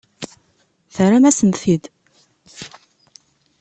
Terram-asen-t-id.